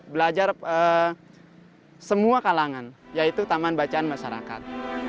belajar semua kalangan yaitu taman bacaan masyarakat